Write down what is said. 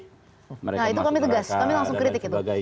nah itu kami tugas kami langsung kritik itu